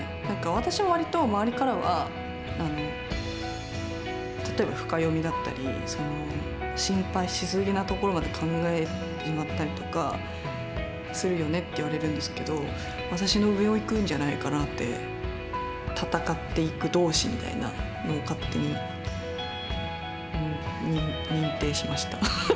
私は割と周りからは例えば深読みだったり心配し過ぎなところまで考えてしまったりとかするよねって言われるんですけど私の上を行くんじゃないかなって戦っていく同志みたいな勝手に認定しました。